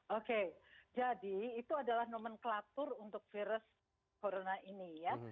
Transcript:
oke jadi itu adalah nomenklatur untuk virus corona ini ya